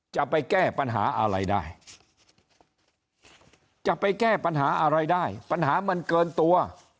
จะไปแก้ปัญหาอะไรได้จะไปแก้ปัญหาอะไรได้ปัญหามันเกินตัว